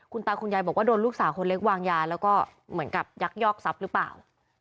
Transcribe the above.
คุณตาคุณยายบอกว่าโดนลูกสาวคนเล็กวางยาแล้วก็เหมือนกับยักยอกทรัพย์หรือเปล่า